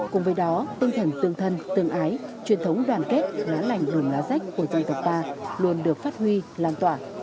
cùng với đó tinh thần tương thân tương ái truyền thống đoàn kết lá lành đùn lá rách của dân tộc ta luôn được phát huy lan tỏa